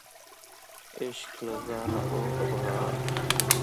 عشق له ځانه اور د بغاوت اخلي